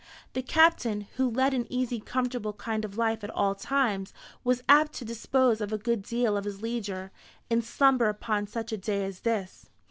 The Captain, who led an easy comfortable kind of life at all times, was apt to dispose of a good deal of his leisure in slumber upon such a day as this.